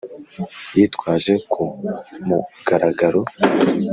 yitwaje ku mugaragaro